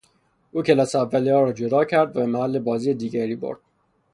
او کلاس اولیها را جدا کرد و به محل بازی دیگری برد.